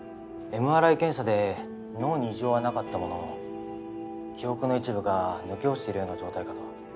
ＭＲＩ検査で脳に異常はなかったものの記憶の一部が抜け落ちているような状態かと。